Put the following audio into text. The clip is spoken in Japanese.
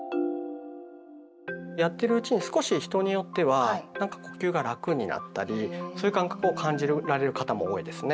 やってるうちに少し人によってはなんか呼吸が楽になったりそういう感覚を感じられる方も多いですね。